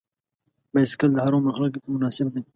بایسکل د هر عمر خلکو ته مناسب دی.